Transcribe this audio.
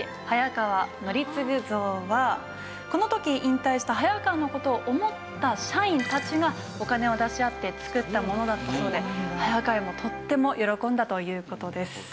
早川徳次像はこの時引退した早川の事を思った社員たちがお金を出し合ってつくったものだったそうで早川もとっても喜んだという事です。